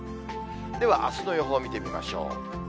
ではあすの予報見てみましょう。